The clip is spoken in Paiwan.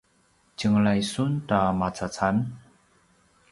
tjenglai sun ta macacam?